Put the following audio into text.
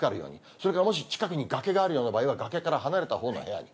それからもし近くに崖があるような場合は、崖から離れたほうの部屋へ。